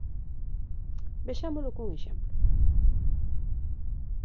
Vexámolo cun exemplo.